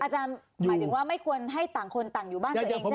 หมายถึงว่าไม่ควรให้ต่างคนต่างอยู่บ้านตัวเองใช่ไหม